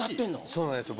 そうなんですよ。